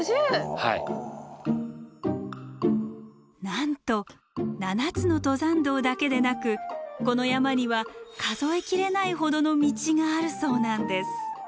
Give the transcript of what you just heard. なんと７つの登山道だけでなくこの山には数え切れないほどの道があるそうなんです。